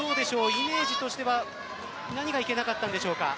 イメージとしては何がいけなかったんでしょうか？